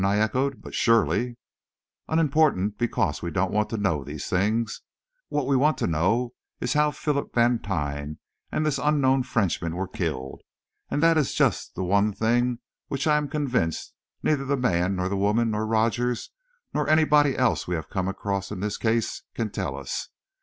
I echoed. "But surely " "Unimportant because we don't want to know these things. What we want to know is how Philip Vantine and this unknown Frenchman were killed. And that is just the one thing which, I am convinced, neither the man nor the woman nor Rogers nor anybody else we have come across in this case can tell us.